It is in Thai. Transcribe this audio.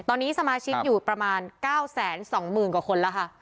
ตอนนี้สมาชิกอยู่ประมาณ๙๒๐๐๐กว่าคนแล้วค่ะ